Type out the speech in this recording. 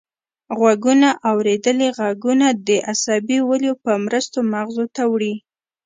غوږونه اوریدلي غږونه د عصبي ولیو په مرسته مغزو ته وړي